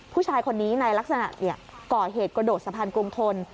ผู้ชายคนนี้ในลักษณะก่อเหตุกระโดดสะพานกรุงทน